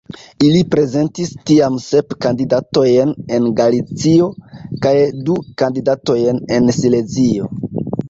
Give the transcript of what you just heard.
Ili prezentis tiam sep kandidatojn en Galicio kaj du kandidatojn en Silezio.